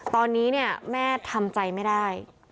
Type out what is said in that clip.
ตอนนี้เนี่ยแม่ทำใจไม่ได้